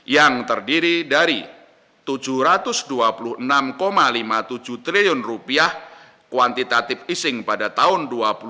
yang terdiri dari rp tujuh ratus dua puluh enam lima puluh tujuh triliun kuantitatif easing pada tahun dua ribu dua puluh